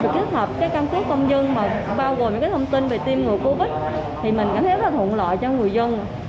kết hợp cái căn cước công dân mà bao gồm những cái thông tin về tiêm ngừa covid thì mình cảm thấy là thuận lợi cho người dân